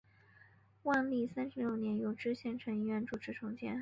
万历三十六年由知县陈一元主持重建。